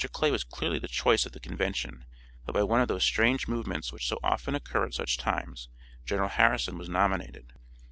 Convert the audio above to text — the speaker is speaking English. Clay was clearly the choice of the convention, but by one of those strange movements which so often occur at such times General Harrison was nominated.